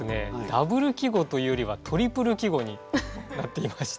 ダブル季語というよりはトリプル季語になっていまして。